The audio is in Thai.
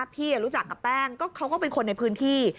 รู้จักกับแป้งเขาก็เป็นคนในพื้นที่